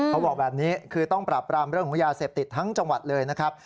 เขาบอกแบบนี้คือต้องปราบปรามเรื่องของยาเสพติดทั้งจังหวัดเลยนะครับ